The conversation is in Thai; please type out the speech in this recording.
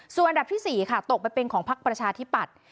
ส่วนอันดับที่๔ตกไปเป็นของภักดิ์ประชาธิบัติ